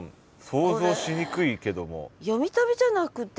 想像しにくいけども。